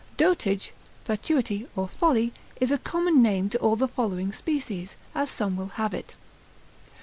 ] Dotage, fatuity, or folly, is a common name to all the following species, as some will have it.